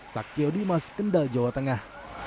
saktio dimas kendal jawa tengah